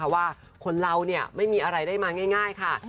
ว่าคนเราไม่มีอะไรได้มาง่ายค่ะ